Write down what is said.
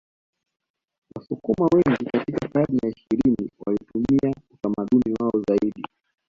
Wasukuma wengi katika karne ya ishirini walitumia utamaduni wao zaidi